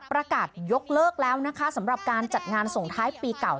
ประกาศยกเลิกแล้วนะคะสำหรับการจัดงานส่งท้ายปีเก่า